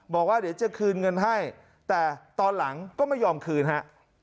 บอกว่าเดี๋ยวจะคืนเงินให้แต่ตอนหลังก็ไม่ยอมคืนฮะ